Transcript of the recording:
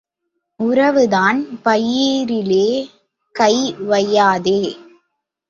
உறவுதான் பயிரிலே கை வாயாதே.